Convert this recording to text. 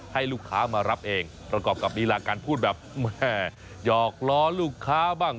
ให้ลูกค้ามารับเองประกอบกับลีลาการพูดแบบแม่หยอกล้อลูกค้าบ้าง